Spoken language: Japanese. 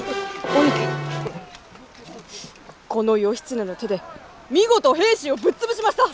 この義経の手で見事平氏をぶっ潰しました！